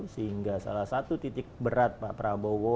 sehingga salah satu titik berat pak prabowo